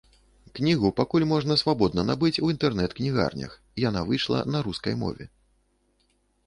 Кнігу пакуль можна свабодна набыць у інтэрнэт-кнігарнях, яна выйшла на рускай мове.